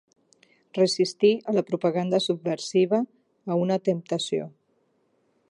Resistir a la propaganda subversiva, a una temptació.